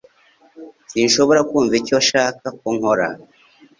Sinshobora kumva icyo ashaka ko nkora